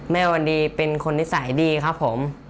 วันดีเป็นคนนิสัยดีครับผม